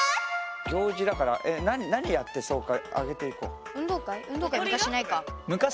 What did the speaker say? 行事だから何やってそうか挙げていこう。